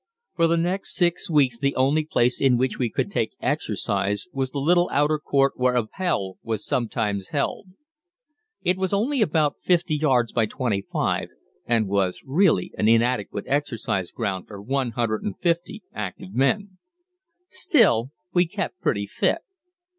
For the next six weeks the only place in which we could take exercise was the little outer court where Appell was sometimes held. It was only about 50 yards by 25, and was really an inadequate exercise ground for 150 active men. Still we kept pretty fit.